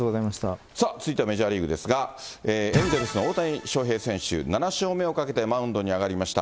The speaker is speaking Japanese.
さあ、続いてはメジャーリーグですが、エンゼルスの大谷翔平選手、７勝目をかけてマウンドに上がりました。